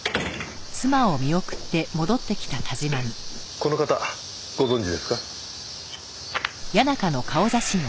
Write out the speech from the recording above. この方ご存じですか？